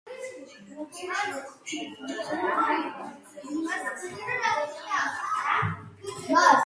იგი პირველი პაპია, რომელმაც მკვლელის ხელით პოვა აღსასრული.